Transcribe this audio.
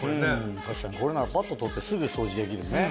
確かにこれならパッと取ってすぐ掃除できるね。